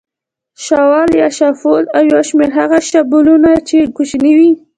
شاول یا شافول او یو شمېر هغه شابلونونه چې کوچني وي.